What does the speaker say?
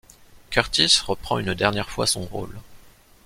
Curtis reprend une dernière fois son rôle.